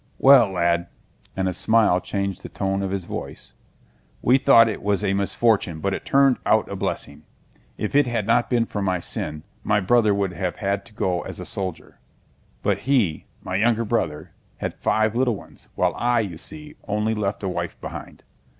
"Well, lad," and a smile changed the tone of his voice, "we thought it was a misfortune but it turned out a blessing! If it had not been for my sin, my brother would have had to go as a soldier. But he, my younger brother, had five little ones, while I, you see, only left a wife behind.